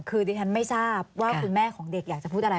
คือดิฉันไม่ทราบว่าคุณแม่ของเด็กอยากจะพูดอะไร